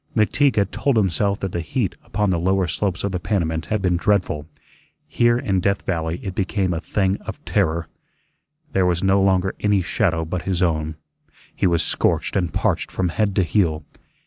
McTeague had told himself that the heat upon the lower slopes of the Panamint had been dreadful; here in Death Valley it became a thing of terror. There was no longer any shadow but his own. He was scorched and parched from head to heel.